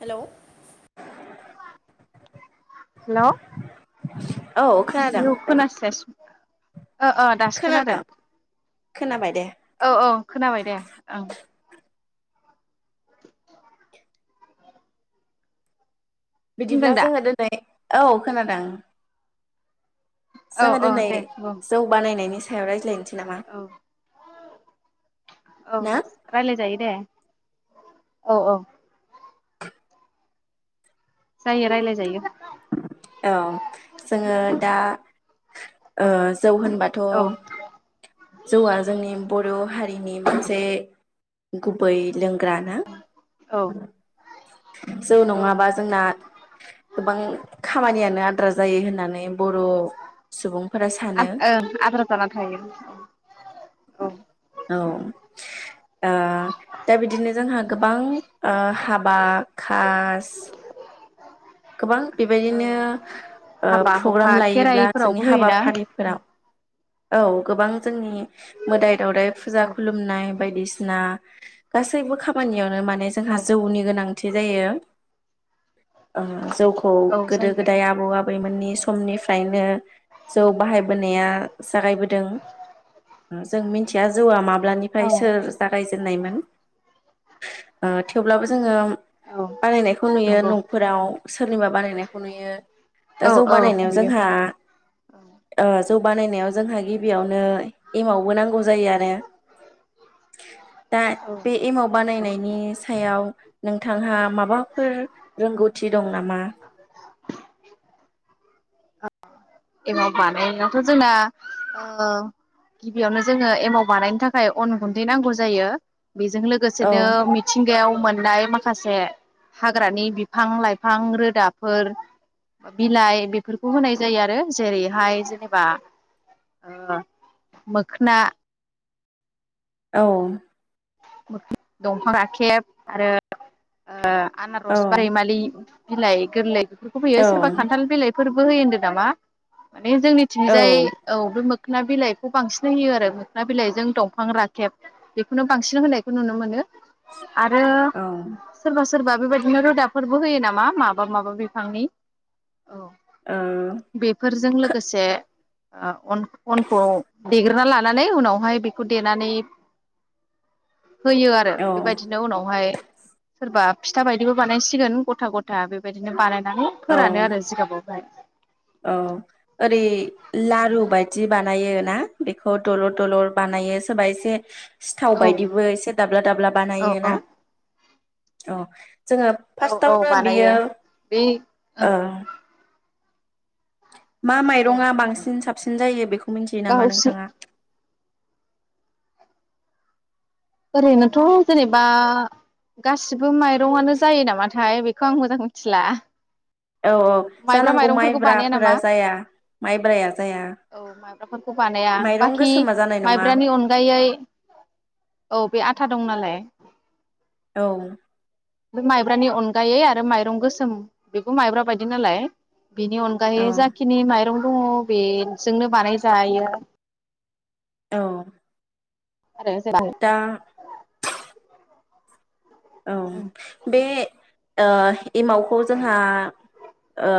Hello hello औ खोनादों औ खोना [unintelligible] ओ ओ दासो खोनादों खोनाबाय दे औ औ खोनाबाय दे ओं [inaudible] खोनादों बिदिब्ला दा जोङो दिनै औ खोनादों। औ जोङो औ दिनै दे बुं जौ बानायनायनि सा याव रायज्लायन नामा? औ औ ना रायलाय जायो दे। औ औ जायो रायलाय जायो। औ जोङो दा ओ औ जौ होनबाथ' औ जौआ जोंनि बर' हारिनि मोनसे गुबै लोंग्रा ना? औ जौ औ ओं नङाबा जोंना गोबां खामानियानो आद द्रा जायो होननानै बर' सुबुं ओ आद्रा जाना थायो। औ औ ओ दा बिदिनो जोंहा गोबां ओ हाबा खास गोबां औ बेबायदिनो ओ हाबा हुखा प्रग्राम लायोब्ला जोंनि खेराइफोरावबो होयोना हाबाफारिफोराव औ गोबां जोंनि मोदाय दावदाय फुजा औ खुलुमनाय बायदिसिना गासैबो खामानियाव माने औ जोंहा जौनि गोनां थि जायो। जौखौ औ गोदो जायो गोदाय आबौ आबै बैमोननि समनिफ्रायनो जौ बाहायबोनाया जागायबोदों जों मिथिया जौआ माब माब्लानिफ्राय औ सोर जागाय दोननायमोन ओ थेवब्लाबो जोङो औ बानायनायखौ नुयो नंगौ नु सोरनिबा बानायनायखौ नुयो। दा औ जौ औ बानायनायाव नुयो जोंहा औ जा बानायनाय जोंहा औ गिबियावनो एमावबो नांगौ जायो आरो दा औ बे एमाव नंगौ बानायनायनि सायाव नों जों बिथांहा माबाफोर रोंगौथि दं नामा? एमाव बानायनायाथ' जोंना गिबियावनो जोङो एमाव बानायनो थाखाय अन गुन्दै नांगौ जायो। बेजों औ लोगोसेनो मिथिंगायाव मोननाय माखासे हाग्रानि बिफां लाइफां रोदाफोर बिलाइ बेफोरखौ होनाय जायो आरो जेरैहाय जेनेबा मोखोना औ दंफां गाखेब आरो। आ औ आनारस बा रैमालि बिलाइ गोरलै फ होयो औ सोरबा खान्थाल बिलाइ फोरबो होयो ओनदो नामा? बे औ जोंनिथिंजाय औ बे। मोखोना बिलाइखौ बांसिन होयो आरो मोखोन बिलाइजों दंफां राखेब बेखौनो बांसिन होनायखौ नुनो मोनो। आरो। औ ओ सोरबा सोरबा बेबायदिनो रोदाफोरबो होयो नामा माबा माबा बिफांनि औ बेफोरजों खो लोगोसे ओ अनखौ देग्रोना लानानै उनावहाय बेखौ देनानै होयो आरो औ बेबायदिनो उनावहाय सोरबा फिथा बायदिबो बानायसिगोन गथा गथा बेबायदिनो बानाय औ फोरानो आरो जिगाबाव। [inaudible] औ ओरै लारु औ बायदि बानायो। ना बेखौ दलर दलर बानायो सोरबा एसे सिथाव बायदिबो एसे दाब्ला दाब्ला औ बानायो औ ना अ जोङो औ औ फार्स्टआवनो बानायो बियो बे ओं ओ। मा औ माइरङा बांसिन साब साबसिन जायो बेखौ। मिथियो नामा गावसो नोंथाङा? ओरैनोथ' जेनेबा गासिबो माइरंआनो जायो नामाथाय बेखौ आं मोजां मिथिला औ औ माइब्रा जानांगौ माइरंफोरखौ बानाया नामा माइब्राफोरा जाया माइब्राया जाया औ माइब्राफोरखौ बानाया माइरं बाखि गोसोमा जानाय नङा माइब्रानि अनगायै औ बे आथा दं नालाय। औ बे माइब्रानि अनगायै आरो माइरं गोसोम बेखौ माइब्रा बायदि। दिनालाय बिनि औ अनगायै जाखिनि माइरं। दङ बेजोंनो बानाय जायो। औ आरो। दा औ बे। आ एमावखौ जोंहा। ओ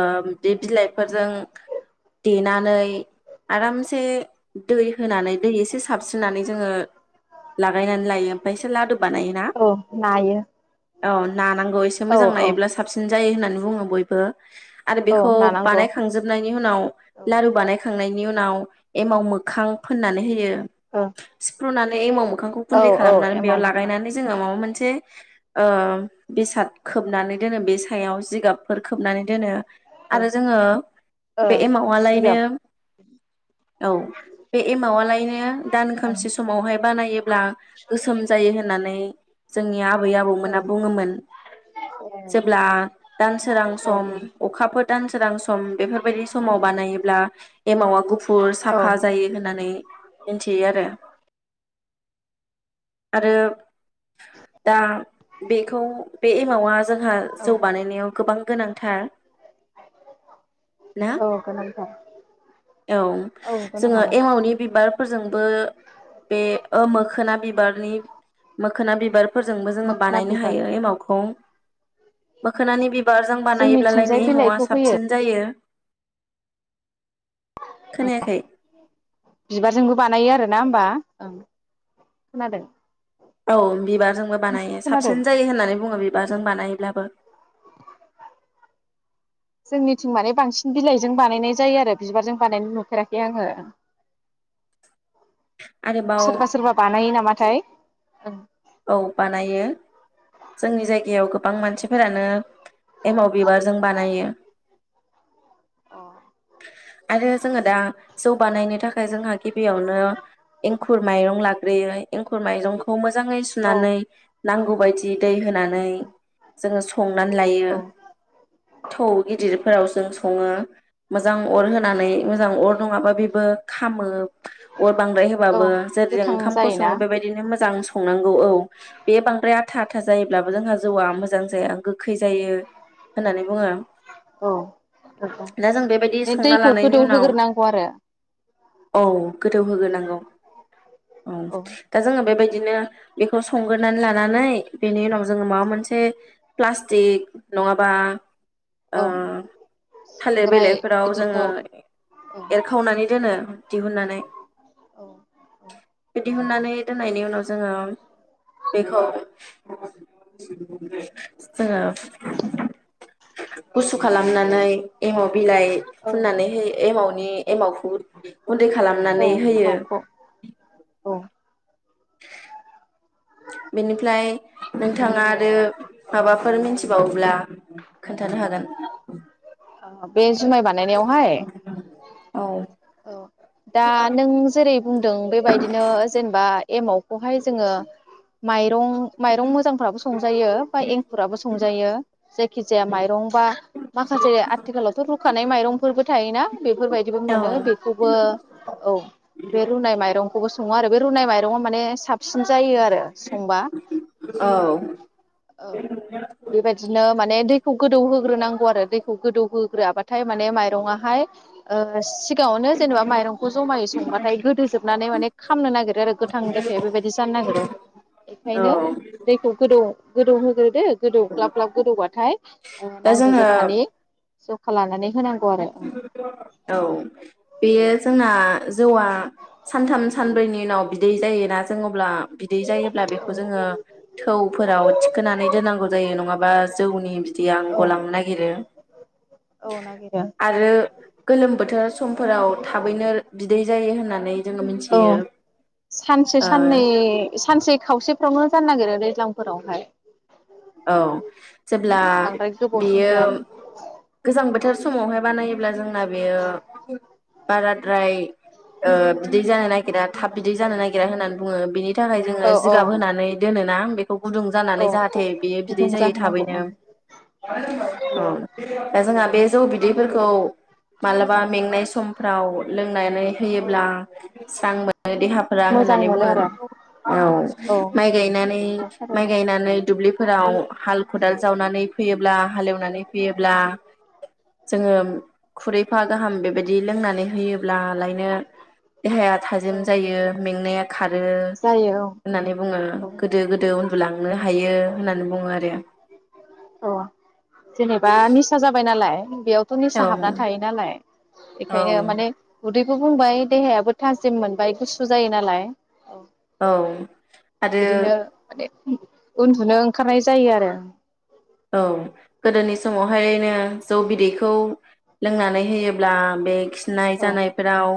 बे बिलाइफोरजों देनानै आरामसे दै होनानै दै एसे साबस्रिनानै जोङो। लागायनानै लायो ओमफ्राय इससे लादु बानायोना? औ नायो औ नानांगौ एसे औ मोजां औ नायोब्ला साबसिन। जायो होननानै बुङो बयबो। आरो औ बेखौ नानांगौ बानायखांजोबनायनि उनाव औ लारु बानायखांनायनि उनाव। एमाव मोखां फोननानै होयो। औ [inaudible] ए एमाव। मोखांखौ औ खुन्दै औ खालामनानै एमाव बेयाव मोखां लागायनानै जोङो माबा मोनसे। [inaudible] ओ बेसाद खोबनानै दोनो बे सायाव जिगाबफोर खोबनानै दोन दोनो औ आरो जोङो बे ओं एमावलायनो जिगाब औ बे एमावलायनो दान ओं खोमसि समावहाय बानायोब्ला गोसोम जायो होननानै। जोंनि। आबै औ आबौमोना बुङोमोन औ जेब्ला दान सोरां सम औ अखाफोर। दानसोरां सम बेफोरबायदि समाव बानायोब्ला एमावा गुफुर साफा जायो होननानै मिथियो आरो। आरो दा बेखौ बे एमावा जोंहा औ जौ बानायनायाव गोबां गोनां। थार। ना औ गोनांथार औ औ जोङो गोनाङानो एमावनि बिबारफोरजों बो बे ओ मोखोना बिबारनि मोखोना बिबार फोरजोंबो जोङो मोखोना बानायनो बिबार हायो एमावखौ। मोखोनानि बि बार जों बानायोबलाय न जोंनिथिंजाय एम'आ बिलाइखौ होयो साबसिन जायो। खोनायाखै बिबारजोंबो बानायो आरोना होमबा ओं खोनादों। औ बिबारजोंबो बानायो खोनादों साबसिन जायो होननानै बुङो बिबारजों बानायब्ला [inaudible] जोंनिथिं माने बांसिन बिलाइजों बानायनाय जायो आरो बिबारजों बानायनो नुफेराखै आङो। आरोबाव सोरबा सोरबा बानायो नामाथाय? औ औ बानायो जोंनि जायगायाव गोबां मानसिफोरानो एमाव बिबारजों बानायो। अ आरो जोङो दा जौगानायनि थाखाय जोंहा गिबियावनो एंखुर माइरं लाग्रोयो एंखुर माइरंखौ मोजाङै औ सनानै नांगौ एंखुर बायदि दै होनानै जोो संनानै लायो औ थौ औ गिदिरफोराव जों सङो मोजां अर होनानै औ मोजां अर नङाबा बेबो खो अर बांद्राय औ होबाबो जेर गोथां ओंखामखौ जायोना सङो बेबायदिनो म आंनांग औ औ बे बांद्राय आथा आथा जायोब्लाबो जोंहा जौआ मोजां जाया गोखै जायो होननानै बुङो औ दा जों बेबायदि बे संना दैखौ लानायनि उनाव गोदौहोग्रोनांगौ आरो औ गोदौ होग्रोनांगौ औ दा जोङो बेबायदि बिदिनो बेखौ संग्रोरोनानै लानानै बेनि उनाव जोङो माबा मोनसे से प्लास्टिक नङाबा ओ औ थालिर संग्राय बिलाइफोराव जोङो बिदिफ्राव औ एरखावनानै दोनो दिहुननानै औ दिहुननानै दोननायनि उनाव जोङो बेखौ जोङो गुसु औ खालामनानै एमाव बिलाइ औ फुननानै हो एमावनि एमावखौ गुन्दै औ खालामनानै होयो एमावखौ औ [unintelligible] बेनिफ्राय नोंथाङा आरो माबाफोर मिथिबावोब्ला खोन्थानो हागोन बे जुमाय बानायनायावहाय औ औ दा नों जेरै बुंदों बेबायदिनो जेनेबा एमाव बेहाय जोङो माइ माइरं माइरं मोजांफ्राबो संजायो बा एंखुराबो संजायो जखिस माइरं बा माखासे आथिखालावथ' रुखानाय माइरंफोरबो थायोना बेफोरबायदिबो औ मोनो बेखौबो औ बे रुनाय माइरंखौबो सङो आरो बे रुनाय माइरङआ माने साबसिन जायो आरो ओ संबा औ बेबायदिनो माने दै गोदौ होग्रोनांगौ आरो दै गोदौ होग्रोआबाथाय माने मायरं आहाय ओ सि सिगाङावनो जेनेबा माइरंखौ जमायै संबाथाय गोदो जोबनानै माने खामनो नागिरो आरो गोथां देफाया बेबायदि जानो नागिरो औ बेखायनो दैखौ गोदौ गुरु ो गोदौ ग्लाब ग्लाब गोदौबाथाय दा नांगौ जोङो जखानि जखा लानानै होनांगौ आरो औ बेयो जोंना जौआ सानथाम सानब्रैनि उनाव बिदै जायोना जों अब्ला बिदै जायो। ब्ला बेखौ जोङो थौफोराव थिखोनानै दोननांगौ जायो नङाबा जौनि बिदि आं गलामनो नागिरो अ आरो। गोलोम बोथोर समफोराव थाबैनो बिदै जायो होननानै जोङो औ मिथियो। सानसे ओ साननै सानसे खावसे नो जानो नागिरो दैज्लांफोरावहाय औ जेब्ला बांद्राय गोबाव सम बेयो जाया गोजां बोथोर समावहाय बानायोब्ला जोंना बेयो बाराद्राय ओ बिदै जानो नागिरा थाब बिदै जानो नागिरा होननानै बुङो बिनि नि थाखाय जोङो औ औ जिगाब होनानै दोनोना बे गुदुं जानानै औ जाहाथे जाथे बेयो बिदै गुदुं जायो जाहोनांगौ थाबैनो ओं दा जोंहा बे जौ बिदैफोरखौ माला बा मेंनाय समफ्राव लोंनानै होयोब्ला स्रां मोनो देहाफोरा मोजां होननानै मोनो बुङो आरो औ औ माइ गायनानै नंगौ माइ थारैनो गायनानै फोराव हाल खदाल जावनानै फैयोब्ला हालेवनानै फैयोब्ला जोङो खुरैफा गाहाम बेबायदि लोंनानै होयो। ब्ला लायनो देहाया औ थाजिम जायो औ मेंनाया खारो जायो होननानै बु औ गोदो गोदो उन्दुलांनो हा हायो होननानै बुङो आरो। अ जेनेबा निसा जाबाय नालाय बेयावथ' औ निसा हाबनानै थायो नालाय औ बेखायनो माने उदै बुंबाय देहायाबो थाजिम मोनबाय गुसु जायो नालाय औ औ आरो। बिदिनो माने उन्दुनो ओंखारनाय जायो आरो। औ गोदोनि समावहायनो जौ बिदैखौ लोंनानै होयोब्ला बे खिनाय औ जानायफोराव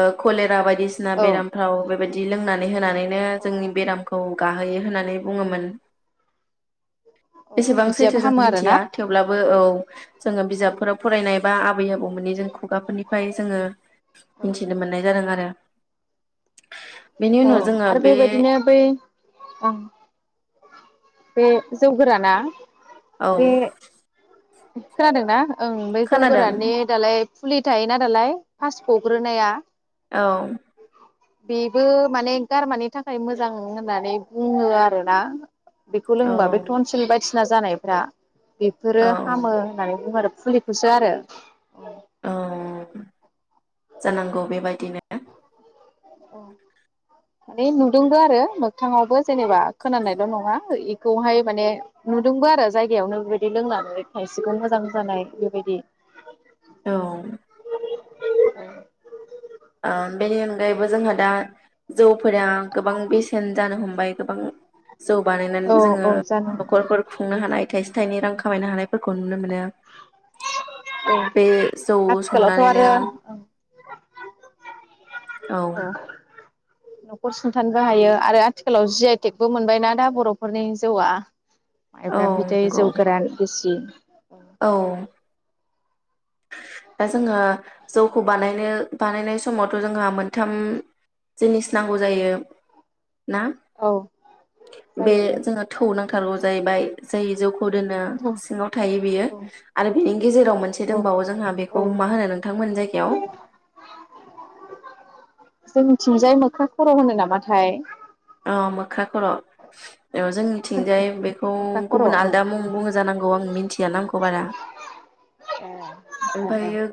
ओ खलेरा बायदि बायदिसिना औ बेरामाव बिदि लोंनानै होनानै नो अ जोंनि बेरामखौ गाहोयो होननानै बुङोमोन। अ एसेबां सैथो बिदियाबो जों हामो आरोना मिथिया थेवब्लाबो औ जोङो औ बिजाबफोराव फरायनाय बा आबै आबौमोननि जों खुगाफोरनिफ्राय जोङो- औ मिथिनो मोननाय जादों आरो। [inaudible] बेनि औ उनाव जोङो आरो बे बेबायदिनो बै बे जौ गोराना औ बे खोनादोंना ओं बे जौ खोनादों गोराननि दालाय फुलि थायोना दालाय फास् ग'ग्रोनाया औ बेबो माने गारमानि थाखाय मोजां होननानै बुङो आरोना। बेखौ औ लोंबा बे टनसिल बायदिसिना ना जानायफ्रा औ बेफोरो हामो होननानै बुंहरो फुलिखौसो आरो औ जानांगौ बेबायदिनो ओ माने नुदोंबो आरो मोगथाङावबो जेनेबा खोनानायल' नङा इखौहाय माने नुदोंबो आरो जायगायावनो बेबायदि लोंनानै खायसेखौ मोजां जानाय बेबायदि औ ओ बेनि अनगायैबो जोंहा दा जौफोरा गोबां बेसेन जानो हमबाय गोबां जौ बानायनानै औ जोङो औ जानो हागौ नखरफोर खुंनो हानाय थाइसे थाइनै रां खामायनो हानाय फोरखौ नुनो मोनो औ बे जौ आथिखालावथ' संनानैनो आरो [unintelligible] औ नखर सुंथानोबो हायो आरो आथिखालाव जि आइ आइ टेगबो मोनबायना दा बर'फोरनि जौउवा औ माइब्रा बिदै नंगौ जौ गोरान गिसि [inaudible] औ दा जोङो जौखौ बानायनो बानायनाय समावथ' जोंहा मोनथाम जिनिस नांगौ जायो ना औ बे जायो जोङो थौ नांथारगौ जायैबाय जायो जौ खौ दोनो औ सिङाव थायो बियो आरो बिनि गेजेराव मोनसे औ दंबावो जोंहा औ बेखौ मा होनो नोंथांमोनि जायगायाव जोंथिंजाय मोख्रा खर' होनो नामाथाय औ मोख्रा खर' औ जोंनिथिंजाय बेखौ मोख्रा खर' औ गुबुन ओ आलदा मुं बुङो जानांगौ आं मिनथिया ना आंखौ बारा ओ ओमफाय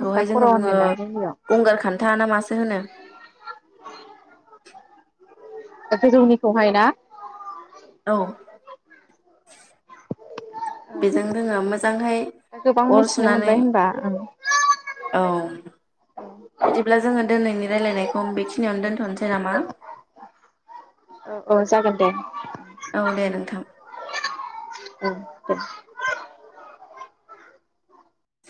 मोख्रा खर' जोङो होनो बुङो दा जोंनियाव गंगार खान्था ना मासो होनो [unintelligible] गोजौनिखौहाय ना औ बेजों जोङो मोजांहै दा गोबां अर मिथिनो सुनानै मोनबाय होनबा ओं औ बिदिब्ला जोङो दोनैनि रायलायनायखौ बेखिनियावनो दोन्थ'नोसै नामा औ औ जागोन दे औ दे नोंथां औ दे